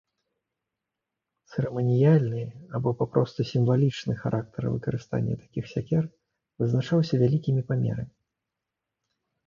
Цырыманіяльны або папросту сімвалічны характар выкарыстання такіх сякер вызначаўся вялікімі памерамі.